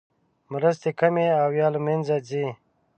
مرستې کمې او یا له مینځه ځي.